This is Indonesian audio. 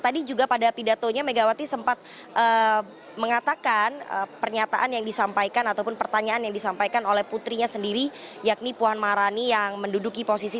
tadi juga pada pidatonya megawati sempat mengatakan pernyataan yang disampaikan ataupun pertanyaan yang disampaikan oleh putrinya sendiri yakni puan maharani yang menduduki posisi